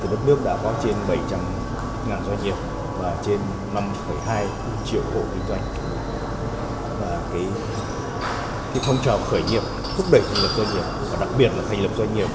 và cái phong trào khởi nghiệp thúc đẩy thành lập doanh nghiệp và đặc biệt là thành lập doanh nghiệp